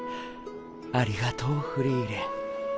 ありがとうフリーレン。